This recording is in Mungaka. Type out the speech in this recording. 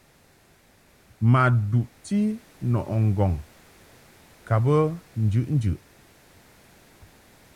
Ma duʼti nɔʼɨ ŋgɔŋ ka bə njuʼnjuʼ.